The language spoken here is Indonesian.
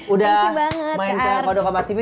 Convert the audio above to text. udah main ke kode kompastv